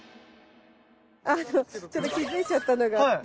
あのちょっと気付いちゃったのがあって。